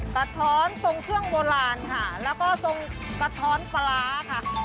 สะท้อนทรงเครื่องโบราณค่ะแล้วก็ทรงสะท้อนปลาร้าค่ะ